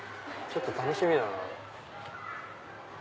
ちょっと楽しみだな。